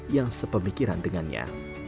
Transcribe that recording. yang sepemikiran dengannya